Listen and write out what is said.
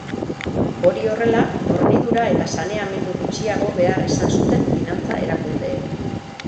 Hori horrela, hornidura eta saneamendu gutxiago behar izan zuten finantza erakundeek.